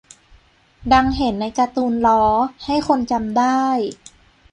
ดังเห็นในการ์ตูนล้อ ให้คนจำได้